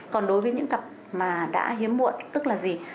còn đối với những cặp mà đã hiếm muộn tức là gì